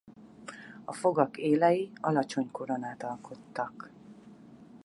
A fogak élei alacsony koronát alkottak.